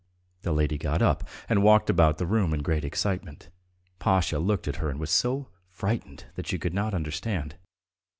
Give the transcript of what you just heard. The lady got up and walked about the room in great excitement. Pasha looked at her and was so frightened that she could not understand.